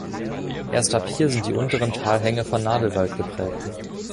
Erst ab hier sind die unteren Talhänge von Nadelwald geprägt.